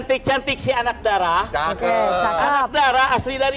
oke terima kasih penutup pantunya dari